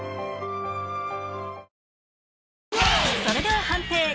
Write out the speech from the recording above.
それでは判定